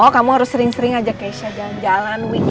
loh kamu harus sering sering aja keisha jalan jalan weekend